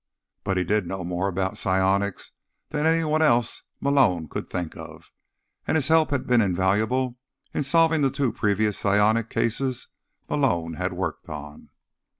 But he did know more about psionics than anyone else Malone could think of. And his help had been invaluable in solving the two previous psionic cases Malone had worked on.